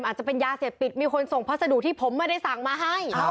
อาจจะเป็นยาเสพติดมีคนส่งพัสดุที่ผมไม่ได้สั่งมาให้